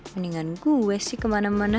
mendingan gue sih kemana mana